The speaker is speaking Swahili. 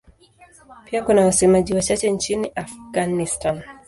Pia kuna wasemaji wachache nchini Afghanistan.